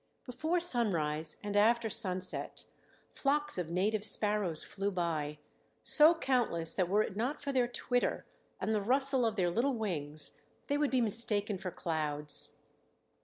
Before sunrise and after sunset flocks of native sparrows flew by, so countless that were it not for their twitter and the rustle of their little wings they would be mistaken for clouds.